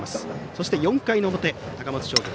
そして４回の表、高松商業。